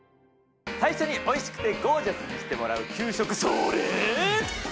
最初においしくてゴージャスにしてもらう給食それ！